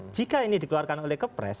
jika ini dikeluarkan oleh kepres